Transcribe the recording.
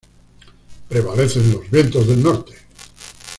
Prevalecen los vientos del norte.